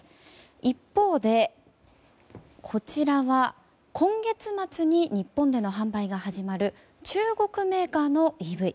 一方で、こちらは今月末に日本での販売が始まる中国メーカーのＥＶ。